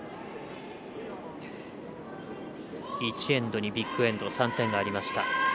１エンドにビッグエンド３点がありました。